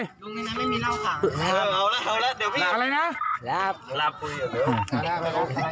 ลุงง่านี้ไม่มีเราข้าง